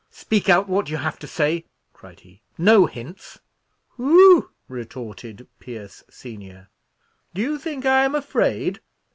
"Speak out what you have to say," cried he; "no hints." "Whew!" retorted Pierce senior, "do you think I am afraid?